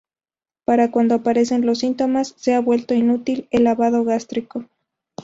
Para cuando aparecen los síntomas, se ha vuelto inútil el lavado gástrico.